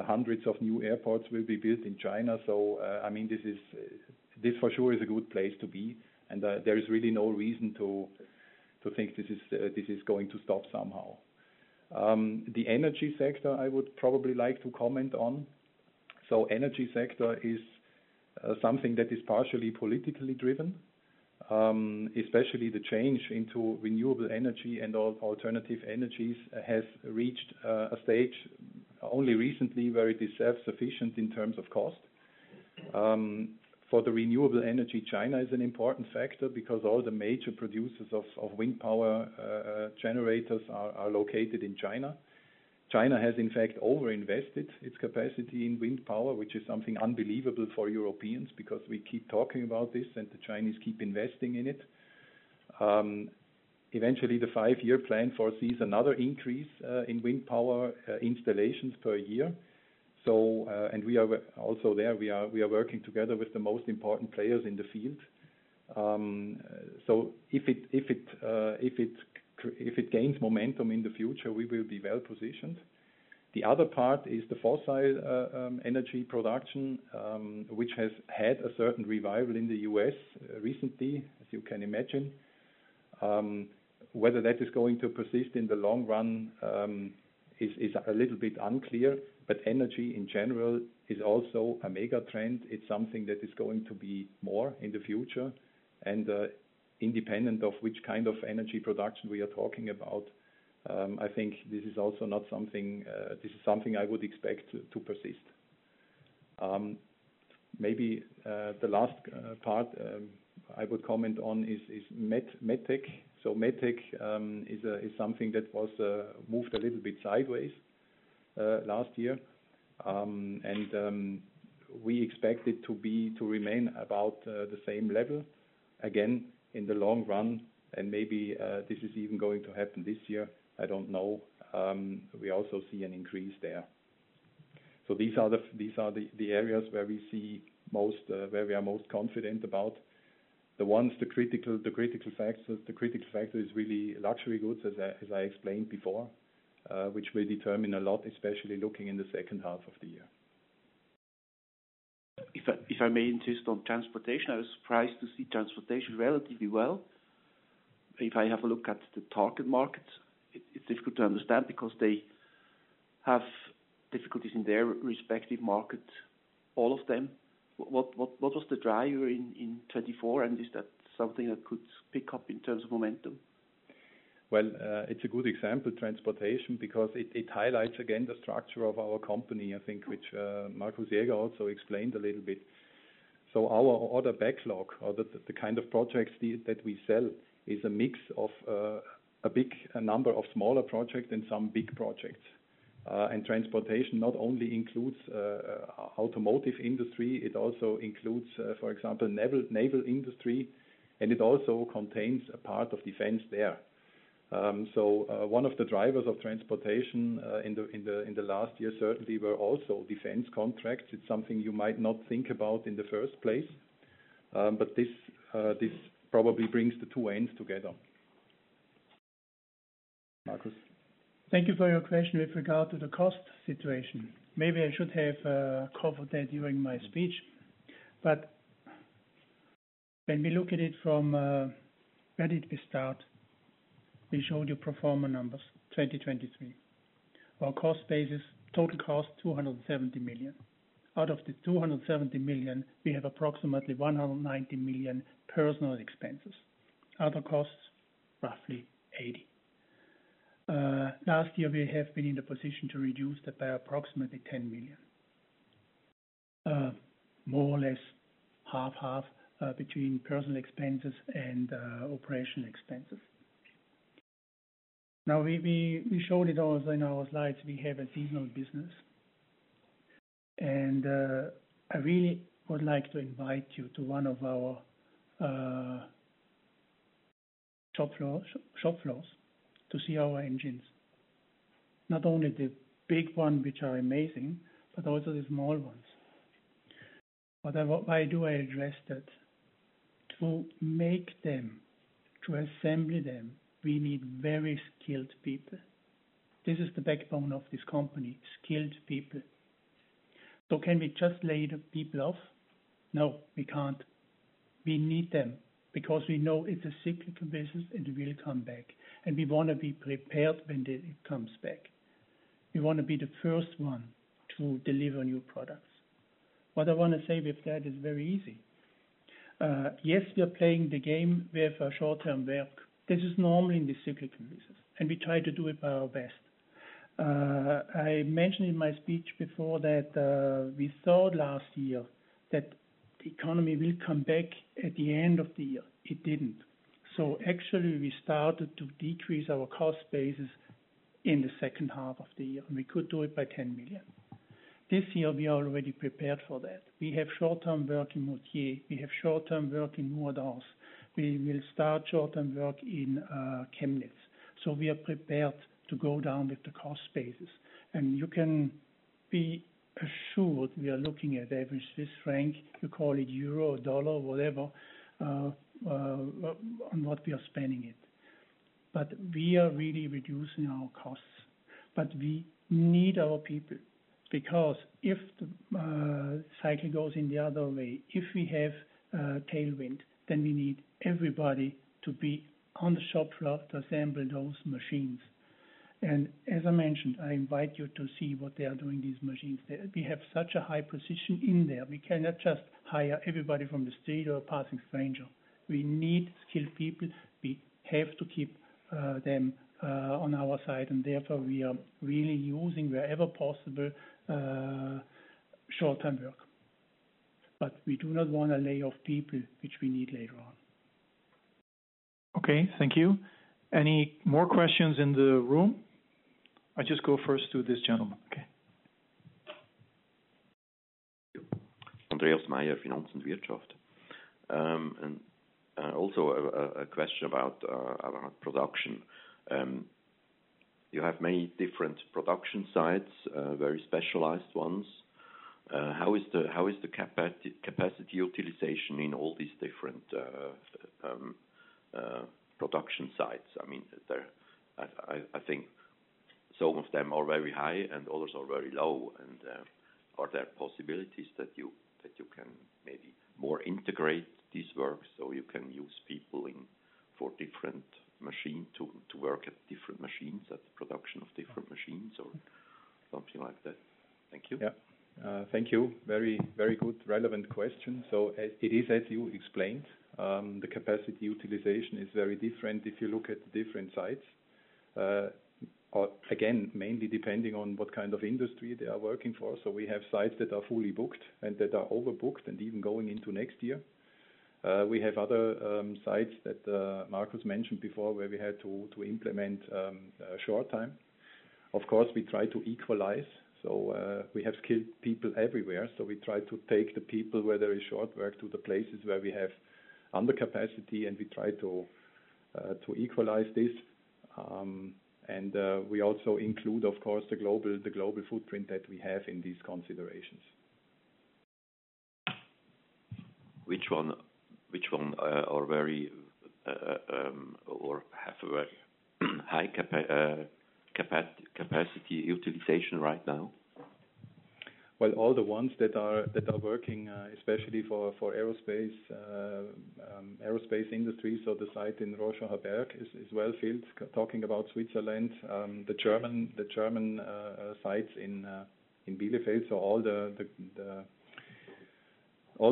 hundreds of new airports will be built in China. So I mean, this for sure is a good place to be. There is really no reason to think this is going to stop somehow. The energy sector, I would probably like to comment on. So the energy sector is something that is partially politically driven. Especially the change into renewable energy and alternative energies has reached a stage only recently where it is self-sufficient in terms of cost. For the renewable energy, China is an important factor because all the major producers of wind power generators are located in China. China has, in fact, overinvested its capacity in wind power, which is something unbelievable for Europeans because we keep talking about this and the Chinese keep investing in it. Eventually, the Five-Year Plan foresees another increase in wind power installations per year. And we are also there. We are working together with the most important players in the field. So if it gains momentum in the future, we will be well positioned. The other part is the fossil energy production, which has had a certain revival in the U.S. recently, as you can imagine. Whether that is going to persist in the long run is a little bit unclear, but energy in general is also a megatrend. It's something that is going to be more in the future. And independent of which kind of energy production we are talking about, I think this is also something I would expect to persist. Maybe the last part I would comment on is MedTech. So MedTech is something that was moved a little bit sideways last year. And we expect it to remain about the same level again in the long run. And maybe this is even going to happen this year. I don't know. We also see an increase there. So these are the areas where we see most where we are most confident about. The ones, the critical factor is really luxury goods, as I explained before, which will determine a lot, especially looking in the second half of the year. If I may insist on transportation, I was surprised to see transportation relatively well. If I have a look at the target markets, it's difficult to understand because they have difficulties in their respective markets, all of them. What was the driver in 2024? And is that something that could pick up in terms of momentum? Well, it's a good example, transportation, because it highlights again the structure of our company, I think, which Markus Jäger also explained a little bit. So our order backlog, the kind of projects that we sell, is a mix of a big number of smaller projects and some big projects. And transportation not only includes the automotive industry, it also includes, for example, the naval industry, and it also contains a part of defense there. So one of the drivers of transportation in the last year certainly were also defense contracts. It's something you might not think about in the first place. But this probably brings the two ends together. Markus? Thank you for your question with regard to the cost situation. Maybe I should have covered that during my speech. But when we look at it from where did we start? We showed you pro forma numbers, 2023. Our cost basis, total cost, 270 million. Out of the 270 million, we have approximately 190 million personnel expenses. Other costs, roughly 80 million. Last year, we have been in the position to reduce that by approximately 10 million. More or less 50/50 between personnel expenses and operational expenses. Now, we showed it also in our slides. We have a seasonal business. I really would like to invite you to one of our shop floors to see our engines. Not only the big one, which are amazing, but also the small ones. Why do I address that? To make them, to assemble them, we need very skilled people. This is the backbone of this company, skilled people. So can we just lay the people off? No, we can't. We need them because we know it's a cyclical business and we'll come back. We want to be prepared when it comes back. We want to be the first one to deliver new products. What I want to say with that is very easy. Yes, we are playing the game with short-time work. This is normal in this cyclical business. We try to do it by our best. I mentioned in my speech before that we thought last year that the economy will come back at the end of the year. It didn't. Actually, we started to decrease our cost basis in the second half of the year. And we could do it by 10 million. This year, we are already prepared for that. We have short-time work in Moutier. We have short-time work in Vuadens. We will start short-time work in Chemnitz. So we are prepared to go down with the cost basis. And you can be assured we are looking at average Swiss franc, you call it euro, dollar, whatever, on what we are spending it. But we are really reducing our costs. But we need our people because if the cycle goes in the other way, if we have tailwind, then we need everybody to be on the shop floor to assemble those machines. And as I mentioned, I invite you to see what they are doing, these machines. We have such a high position in there. We cannot just hire everybody from the street or a passing stranger. We need skilled people. We have to keep them on our side. And therefore, we are really using wherever possible short-time work. But we do not want a layoff of people, which we need later on. Okay, thank you. Any more questions in the room? I'll just go first to this gentleman. Okay. Andreas Meier, Finanz und Wirtschaft. And also a question about production. You have many different production sites, very specialized ones. How is the capacity utilization in all these different production sites? I mean, I think some of them are very high and others are very low. And are there possibilities that you can maybe more integrate this work so you can use people for different machines to work at different machines, at the production of different machines or something like that? Thank you. Yeah. Thank you. Very, very good, relevant question. So it is, as you explained, the capacity utilization is very different if you look at the different sites. Again, mainly depending on what kind of industry they are working for. So we have sites that are fully booked and that are overbooked and even going into next year. We have other sites that Markus mentioned before where we had to implement short time. Of course, we try to equalize. So we have skilled people everywhere. So we try to take the people where there is short-time work to the places where we have undercapacity, and we try to equalize this. We also include, of course, the global footprint that we have in these considerations. Which ones have a very high capacity utilization right now? Well, all the ones that are working, especially for aerospace industry. So the site in Rorschacherberg is well filled. Talking about Switzerland, the German sites in Bielefeld. So all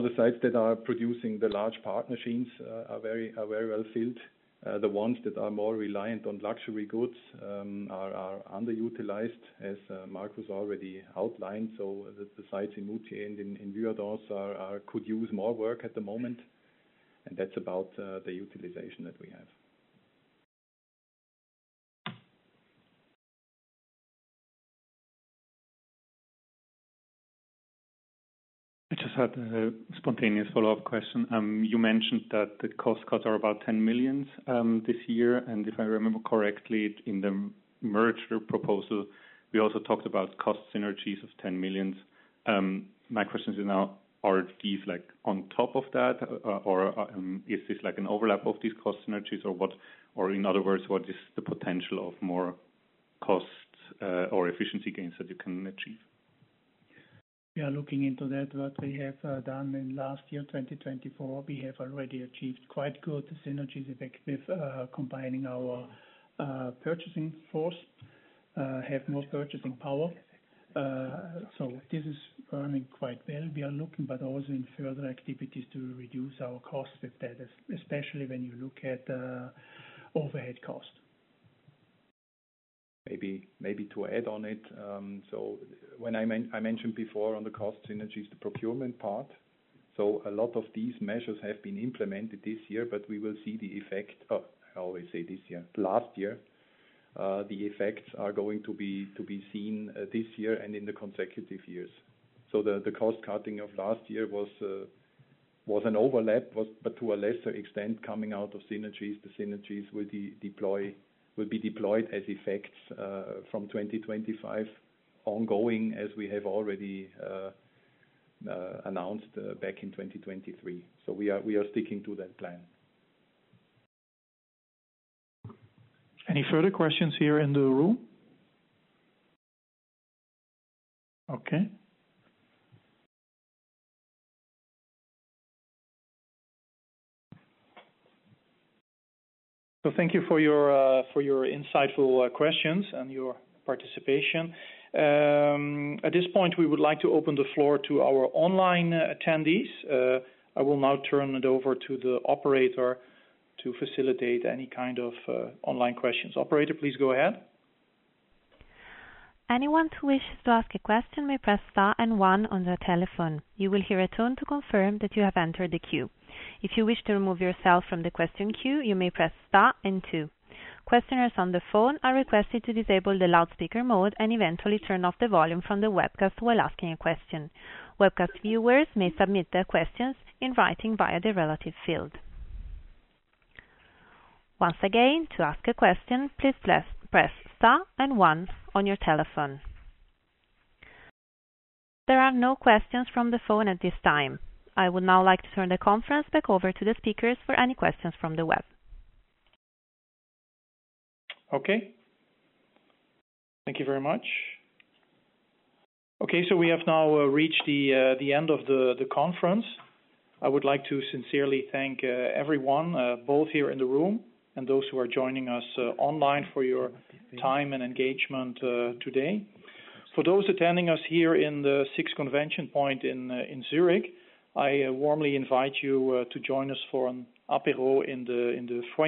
the sites that are producing the large part machines are very well filled. The ones that are more reliant on luxury goods are underutilized, as Markus already outlined. So the sites in Moutier and in Vuadens could use more work at the moment. And that's about the utilization that we have. I just had a spontaneous follow-up question. You mentioned that the cost cuts are about 10 million this year. If I remember correctly, in the merger proposal, we also talked about cost synergies of 10 million. My question is now, are these on top of that, or is this an overlap of these cost synergies? Or in other words, what is the potential of more costs or efficiency gains that you can achieve? We are looking into that. What we have done in last year, 2024, we have already achieved quite good synergies effective combining our purchasing force, have more purchasing power. So this is running quite well. We are looking, but also in further activities to reduce our costs with that, especially when you look at overhead cost. Maybe to add on it. So when I mentioned before on the cost synergies, the procurement part. So a lot of these measures have been implemented this year, but we will see the effect. How do I say this year? Last year. The effects are going to be seen this year and in the consecutive years. So the cost cutting of last year was an overlap, but to a lesser extent coming out of synergies. The synergies will be deployed as effects from 2025 ongoing, as we have already announced back in 2023. So we are sticking to that plan. Any further questions here in the room? Okay. So thank you for your insightful questions and your participation. At this point, we would like to open the floor to our online attendees. I will now turn it over to the operator to facilitate any kind of online questions. Operator, please go ahead. Anyone who wishes to ask a question may press star and one on their telephone. You will hear a tone to confirm that you have entered the queue. If you wish to remove yourself from the question queue, you may press star and two. Questioners on the phone are requested to disable the loudspeaker mode and eventually turn off the volume from the webcast while asking a question. Webcast viewers may submit their questions in writing via the relevant field. Once again, to ask a question, please press star and one on your telephone. There are no questions from the phone at this time. I would now like to turn the conference back over to the speakers for any questions from the web. Okay. Thank you very much. Okay, so we have now reached the end of the conference. I would like to sincerely thank everyone, both here in the room and those who are joining us online for your time and engagement today. For those attending us here in the SIX ConventionPoint in Zurich, I warmly invite you to join us for an apéro in the front.